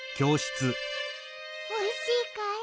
おいしいかい？